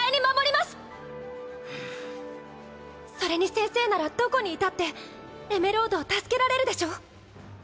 それに先生ならどこにいたってエメロードを助けられるでしょ？